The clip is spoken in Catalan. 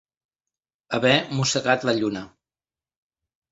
Haver mossegat la lluna.